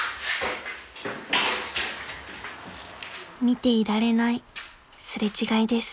［見ていられない擦れ違いです］